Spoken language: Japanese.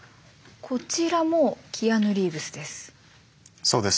こちらもキアヌ・リーブスです。